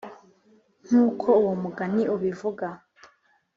Nk uko uwo mugani ubivuga